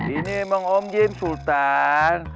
ini emang om jin sultan